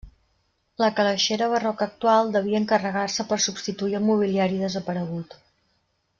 La calaixera barroca actual devia encarregar-se per substituir el mobiliari desaparegut.